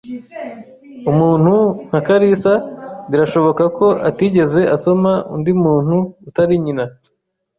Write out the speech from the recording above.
Umuntu nka kalisa birashoboka ko atigeze asoma undi muntu utari nyina